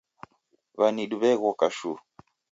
W'anidu w'eghoka shuu